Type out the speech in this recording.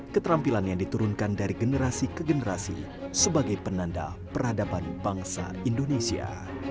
keterampilan yang diturunkan dari generasi ke generasi sebagai penanda peradaban bangsa indonesia